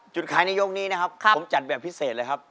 ขายในยกนี้นะครับผมจัดแบบพิเศษเลยครับ